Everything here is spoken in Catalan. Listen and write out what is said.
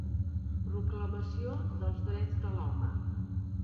Proclamació dels drets de l'home.